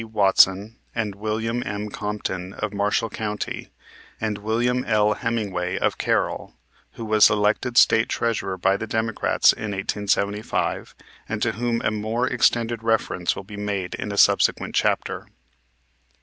Watson, and William M. Compton, of Marshall County, and William L. Hemingway, of Carroll, who was elected State Treasurer by the Democrats in 1875, and to whom a more extended reference will be made in a subsequent chapter.